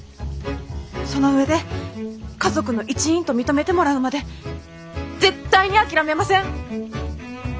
その上で家族の一員と認めてもらうまで絶対に諦めません！